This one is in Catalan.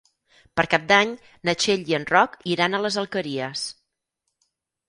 Per Cap d'Any na Txell i en Roc iran a les Alqueries.